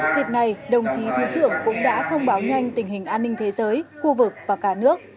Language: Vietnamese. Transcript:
dịp này đồng chí thứ trưởng cũng đã thông báo nhanh tình hình an ninh thế giới khu vực và cả nước